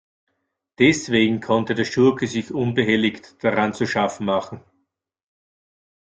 Deswegen konnte der Schurke sich unbehelligt daran zu schaffen machen.